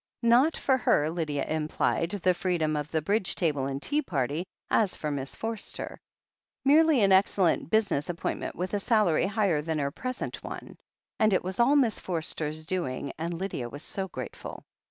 Not for her, Lydia implied, the freedom of the Bridge table and tea party, as for Miss Forster. Merely an excellent business ap pointment, with a salary higher than her present one. And it was all Miss Forster's doing, and Lydia was so grateful.